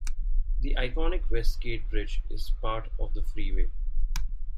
The iconic West Gate Bridge is a part of the freeway.